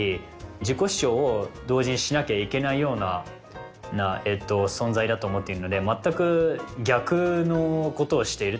自己主張を同時にしなきゃいけないような存在だと思っているので全く逆の事をしているっていう風な感じになりますね。